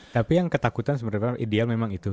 tapi yang ketakutan sebenarnya ideal memang itu